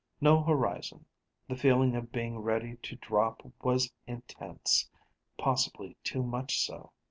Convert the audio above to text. No horizon. The feeling of being ready to drop was intense, possibly too much so.